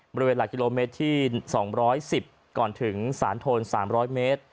หลักกิโลเมตรที่๒๑๐ก่อนถึงสารโทน๓๐๐เมตร